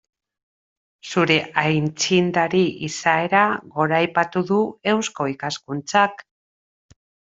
Zure aitzindari izaera goraipatu du Eusko Ikaskuntzak.